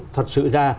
thật sự ra